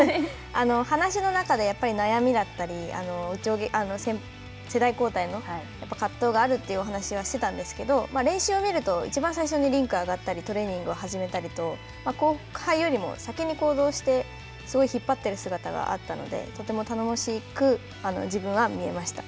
話の中で悩みだったり世代交代の葛藤があるというお話はしてたんですけど練習を見ると、いちばん最初にリンクに上がったり、トレーニングを始めたりと後輩よりも先に行動して、すごい引っ張っている姿があったのでとても頼もしく、自分は見えました。